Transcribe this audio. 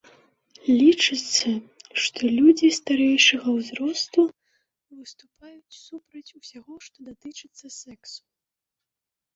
Лічыцца, што людзі старэйшага ўзросту выступаюць супраць усяго, што датычыцца сэксу.